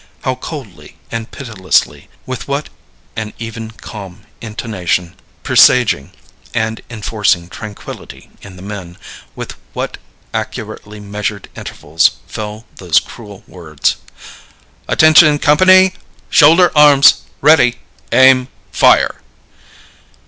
How coldly and pitilessly with what an even, calm intonation, presaging and enforcing tranquillity in the men with what accurately measured intervals fell those cruel words: "Attention, company! Shoulder arms! Ready! Aim! Fire!"